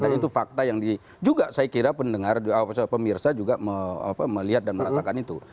dan itu fakta yang juga saya kira pendengar pemirsa juga melihat dan merasakan itu